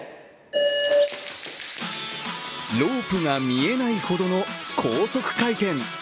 ロープが見えないほどの高速回転。